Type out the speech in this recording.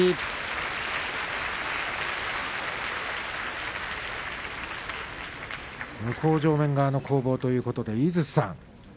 拍手向正面からの攻防ということで井筒さん